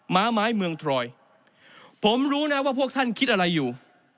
้าไม้เมืองทรอยผมรู้นะว่าพวกท่านคิดอะไรอยู่